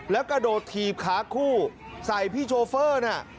แล้วกระโดดถีบขาคู่ใส่พี่โชเฟอร์น่ะ